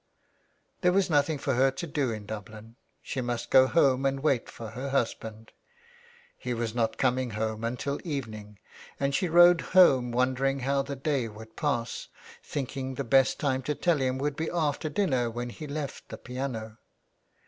There was nothing for her to do in Dublin, she must go home and wait for her husband. He was not coming home until evening, and she rode home wondering how the day would pass, thinking the best time to tell him would be after dinner when he left the piano.